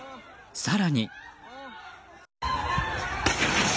更に。